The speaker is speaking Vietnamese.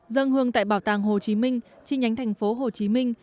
dân hương tại bảo tàng hồ chí minh chi nhánh thành phố hồ chí minh